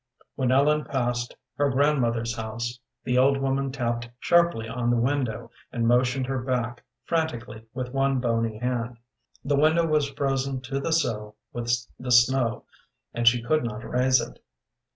When Ellen passed her grandmother's house the old woman tapped sharply on the window and motioned her back frantically with one bony hand. The window was frozen to the sill with the snow, and she could not raise it.